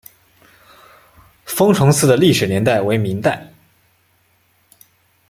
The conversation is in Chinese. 封崇寺的历史年代为明代。